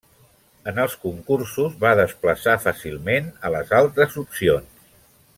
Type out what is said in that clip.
En els concursos va desplaçar fàcilment a les altres opcions.